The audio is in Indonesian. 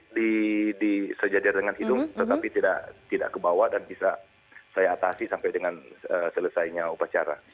sedikit di sejadian dengan hidung tetapi tidak ke bawah dan bisa saya atasi sampai dengan selesainya upacara